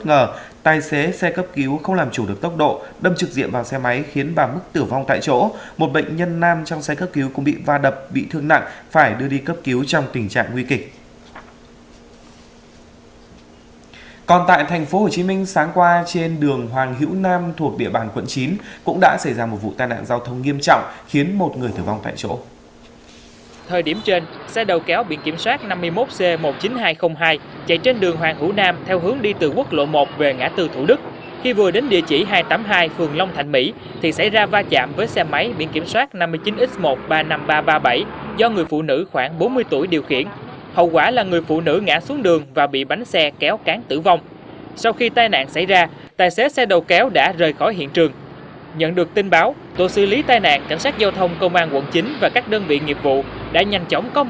nhận được tin báo tổ xử lý tai nạn cảnh sát giao thông công an quận chín và các đơn vị nghiệp vụ đã nhanh chóng có mặt tiến hành khám nghiệm điều tra làm rõ nguyên nhân vụ tai nạn đồng thời điều tiết giao thông